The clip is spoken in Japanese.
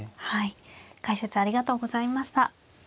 解説ありがとうございました。